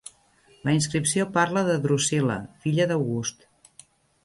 La inscripció parla de Drussila, filla d'August.